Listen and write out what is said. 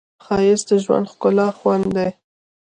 ښایست د ژوند ښکلی خوند دی